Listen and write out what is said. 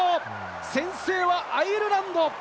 先制はアイルランド。